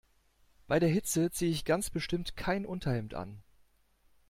Bei der Hitze ziehe ich ganz bestimmt kein Unterhemd an.